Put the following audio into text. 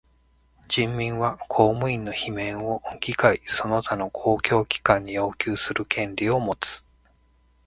人民は公務員の罷免を議会その他の公共機関に要求する権利をもつ。